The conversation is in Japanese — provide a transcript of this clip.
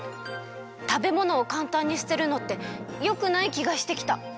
食べ物をかんたんにすてるのってよくないきがしてきた。